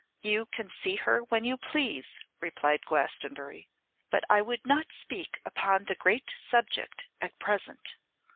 'You can see her when you please,' replied Glastonbury; 'but I would not speak upon the great subject at present.